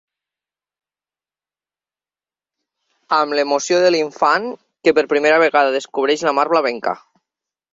Amb l’emoció de l’infant que per primera vegada descobreix la mar blavenca.